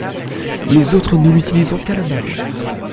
Les autres ne l'utilisant qu'à la marge.